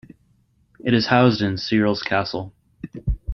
It is housed in Searles Castle.